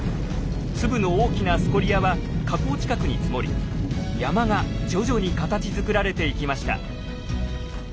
粒の大きなスコリアは火口近くに積もり山が徐々に形づくられていきました。